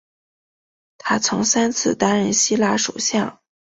他曾三次担任希腊首相。